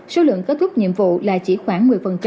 số lượng kết thúc nhiệm vụ là chỉ khoảng một mươi